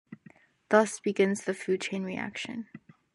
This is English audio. Thus, begins the food chain reaction.